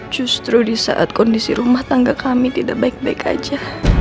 justru di saat kondisi rumah tangga kami tidak baik baik saja